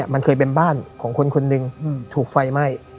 มันเคยเป็นบ้านของคนคนหนึ่งถูกไฟไหม้